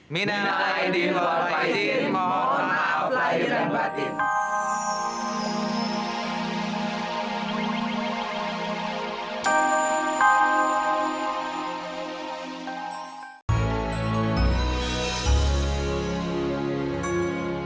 minahai di luar pak hidim mohon maaflah irang batin